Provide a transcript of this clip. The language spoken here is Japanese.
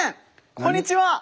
こんにちは。